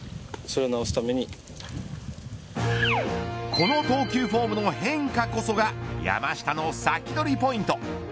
この投球フォームの変化こそが山下のサキドリポイント。